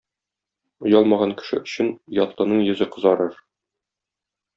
Оялмаган кеше өчен оятлының йөзе кызарыр.